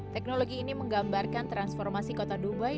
teknologi ini menggambarkan transformasi kota dubai